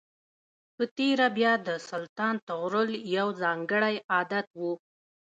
په تېره بیا د سلطان طغرل یو ځانګړی عادت و.